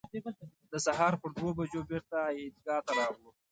د سهار پر دوه بجو بېرته عیدګاه ته راغلو.